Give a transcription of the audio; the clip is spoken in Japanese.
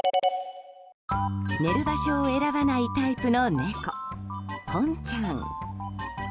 寝る場所を選ばないタイプの猫ぽんちゃん。